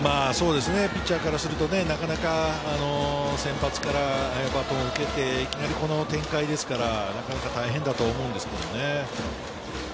ピッチャーからすると、なかなか先発からバトンを受けて、いきなりこの展開ですから、なかなか大変だと思うんですけれどもね。